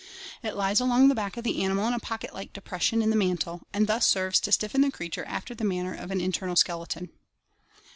It lies along the back of the animal in a pocket like depression in the mantle, and thus serves to stiffen the creature after the manner of an internal skeleton.